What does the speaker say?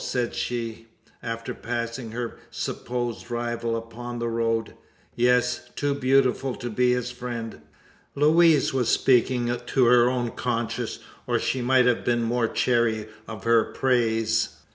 said she, after passing her supposed rival upon the road. "Yes; too beautiful to be his friend!" Louise was speaking to her own conscience; or she might have been more chary of her praise.